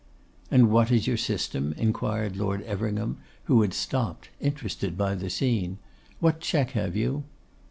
'And what is your system?' inquired Lord Everingham, who had stopped, interested by the scene. 'What check have you?